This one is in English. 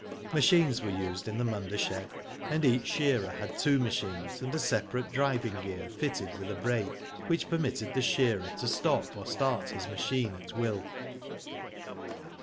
Machines were used in the Munda shed, and each shearer had two machines, and a separate driving gear fitted with a brake, which permitted the shearer* to stop or start his machine at will.